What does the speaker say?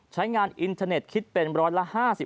ใช้งานอินเทอร์เน็ตคิดเป็นร้อยละ๕๕